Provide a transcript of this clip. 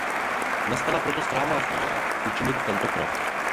Nastala proto správná chvíle učinit tento krok.